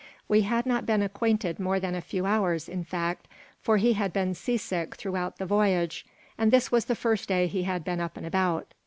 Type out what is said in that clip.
We had not been acquainted more than a few hours, in fact, for he had been seasick throughout the voyage and this was the first day he had been up and about.